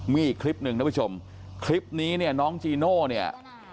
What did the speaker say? มีอีกคลิปหนึ่งท่านผู้ชมคลิปนี้เนี่ยน้องจีโน่เนี่ย